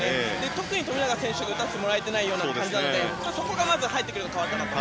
特に富永選手が打たせてもらえていないのでそこが入ってくると変わるかなと。